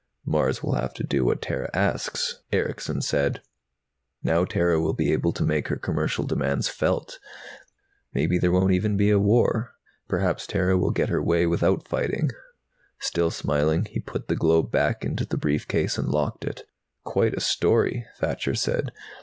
"Mars will have to do what Terra asks," Erickson said. "Now Terra will be able to make her commercial demands felt. Maybe there won't even be a war. Perhaps Terra will get her way without fighting." Still smiling, he put the globe back into the briefcase and locked it. "Quite a story," Thacher said.